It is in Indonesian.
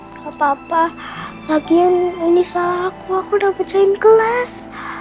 nggak apa apa lagian ini salah aku aku udah pecahin kelas